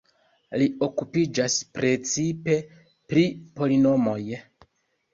Li okupiĝas precipe pri polinomoj.